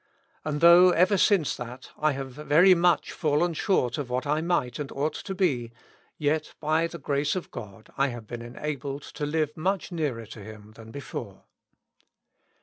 And though ever since that I have very much fallen short of what I might and ought to be, yet by the grace of God I have been enabled to live m.uch nearer to Him than before.